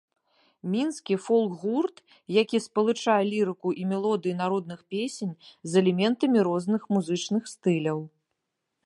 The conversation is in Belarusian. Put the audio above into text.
Мінскі фолк-гурт, які спалучае лірыку і мелодыі народных песень з элементамі розных музычных стыляў.